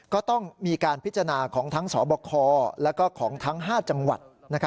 ก็ต้องมีการพิจารณาของทั้งสบคและของทั้ง๕จังหวัด